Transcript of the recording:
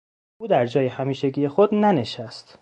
او در جای همیشگی خود ننشست.